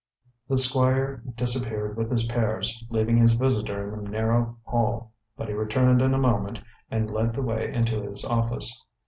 The squire disappeared with his pears, leaving his visitor in the narrow hall; but he returned in a moment and led the way into his office.